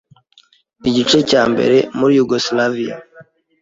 igice cya mbere muri Yugoslavia,